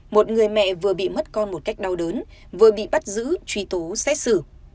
một người mẹ vừa bị mất con một cách đau đớn vừa bị bắt giữ truy tố xét xử